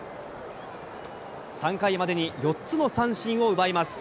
３回までに４つの三振を奪います。